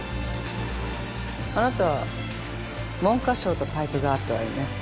あなた文科省とパイプがあったわよね？